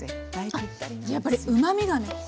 やっぱりうまみがね